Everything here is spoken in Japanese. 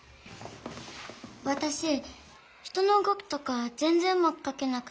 わたし人のうごきとかぜんぜんうまくかけなくて。